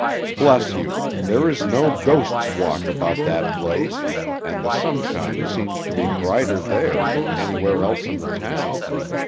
Bless you, there is no ghost's walk about that place, and the sunshine seems to be brighter there than anywhere else in the town.